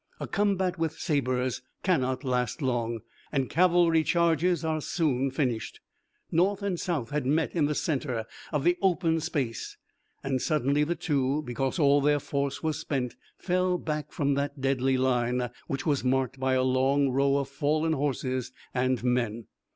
A combat with sabers cannot last long, and cavalry charges are soon finished. North and South had met in the center of the open space, and suddenly the two, because all their force was spent, fell back from that deadly line, which was marked by a long row of fallen horses and men.